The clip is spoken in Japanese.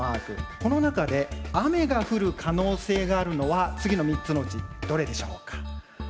この中で雨が降る可能性があるのは次の３つのうちどれでしょうか？